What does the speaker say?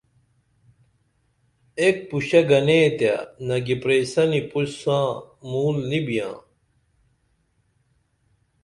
ایک پُشے گنے تے نگی پرئیسنی پُش ساں مول نی بیاں